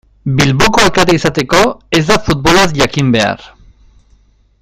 Bilboko alkate izateko ez da futbolaz jakin behar.